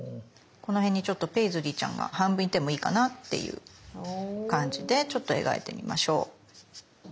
この辺にちょっとペイズリーちゃんが半分いてもいいかなっていう感じでちょっと描いてみましょう。